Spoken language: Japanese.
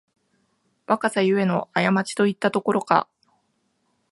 若さゆえのあやまちといったところか